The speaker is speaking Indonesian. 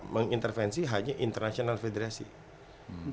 mengintervensi hanya international federation